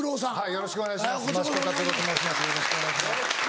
よろしくお願いします。